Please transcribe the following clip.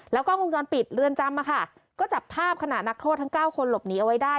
กล้องวงจรปิดเรือนจำก็จับภาพขณะนักโทษทั้ง๙คนหลบหนีเอาไว้ได้